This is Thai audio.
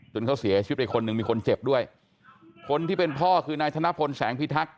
เขาเสียชีวิตไปคนหนึ่งมีคนเจ็บด้วยคนที่เป็นพ่อคือนายธนพลแสงพิทักษ